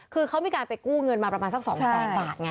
คือเขามีการไปกู้เงินมาประมาณสัก๒แสนบาทไง